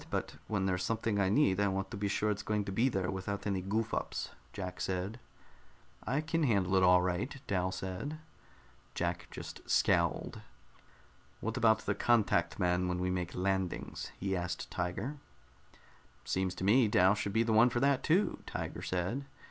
But when there's something I need, I want to be sure it's going to be there without any goof ups," Jack said. "I can handle it all right," Dal said. Jack just scowled. "What about the contact man when we make landings?" he asked Tiger. "Seems to me Dal would be the one for that, too," Tiger said.